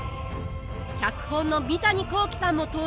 脚本の三谷幸喜さんも登場！